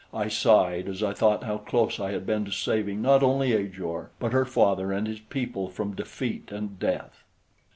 I sighed as I thought how close I had been to saving not only Ajor but her father and his people from defeat and death.